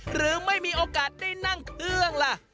หรือไม่มีโอกาสได้นั่งเครื่องล่ะ